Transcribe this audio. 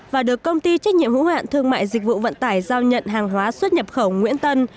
và được công ty trách nhiệm hữu hạn thương mại dịch vụ vận tải giao nhận hàng hóa xuất nhập khẩu nguyễn tân